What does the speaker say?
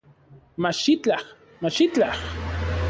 Machitlaj, machitlaj